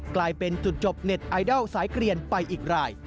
กลายเป็นจุดจบเน็ตไอดอลสายเกลียนไปอีกราย